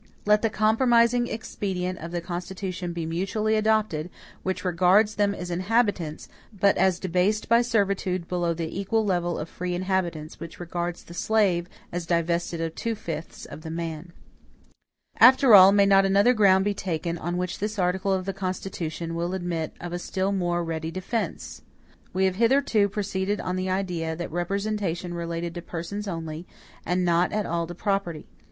Let the compromising expedient of the Constitution be mutually adopted, which regards them as inhabitants, but as debased by servitude below the equal level of free inhabitants, which regards the SLAVE as divested of two fifths of the MAN. "After all, may not another ground be taken on which this article of the Constitution will admit of a still more ready defense? We have hitherto proceeded on the idea that representation related to persons only, and not at all to property.